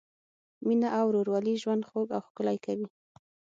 مینه او ورورولي ژوند خوږ او ښکلی کوي.